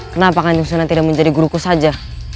kenapa kan jungsunan tidak menjadi guruku saja